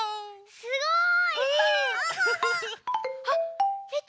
すごい！